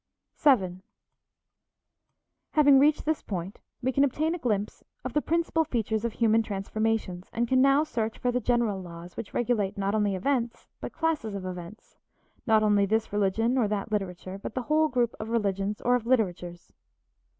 VII Having reached this point we can obtain a glimpse of the principal features of human transformations, and can now search for the general laws which regulate not only events, but classes of events; not only this religion or that literature, but the whole group of religions or of literatures.